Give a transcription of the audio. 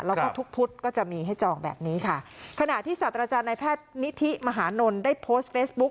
แล้วก็ทุกพุธก็จะมีให้จองแบบนี้ค่ะขณะที่ศาสตราจารย์ในแพทย์นิธิมหานลได้โพสต์เฟซบุ๊ค